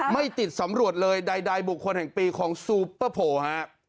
ไม่ติดสำรวจเลยใดบุคคลแห่งปีของซูเปอร์โพลฮะ